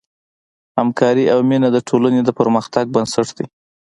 همکاري او مینه د ټولنې د پرمختګ بنسټ دی.